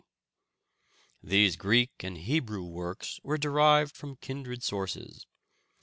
These Greek and Hebrew works were derived from kindred sources.